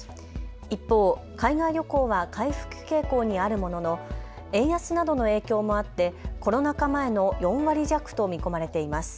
一方、海外旅行は回復傾向にあるものの円安などの影響もあってコロナ禍前の４割弱と見込まれています。